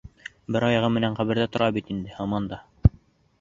Бер аяғы менән ҡәберҙә тора бит инде, һаман да...